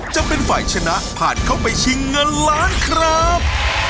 จะเป็นฝ่ายชนะผ่านเข้าไปชิงเงินล้านครับ